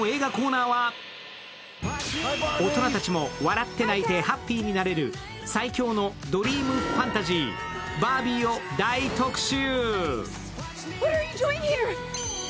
大人たちも笑って泣いてハッピーになれる最強のドリームファンタジー「バービー」を大特集。